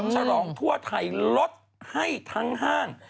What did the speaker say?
ฉลองทั่วไทยลดให้ทั้งห้าง